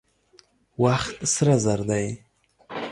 وخت سره زر دي.